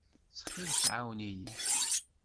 Ttxil-k, ɛawen-iyi.